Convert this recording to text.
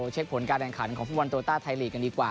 เช็คผลการแข่งขันของฟุตบอลโตต้าไทยลีกกันดีกว่า